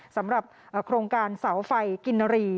สำหรับโครงการเสาไฟกินรี